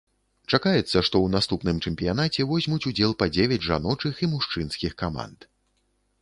Чакаецца, што ў наступным чэмпіянаце возьмуць удзел па дзевяць жаночых і мужчынскіх каманд.